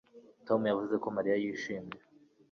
Tom yavuze ko Mariya yishimye